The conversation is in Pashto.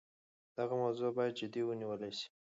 دغه موضوع باید جدي ونیول سي.